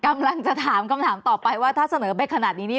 กำลังจะถามคำถามต่อไปว่าถ้าเสนอไปขนาดนี้นี่